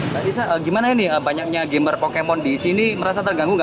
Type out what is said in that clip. pak isha bagaimana ini banyaknya gamer pokemon di sini merasa terganggu tidak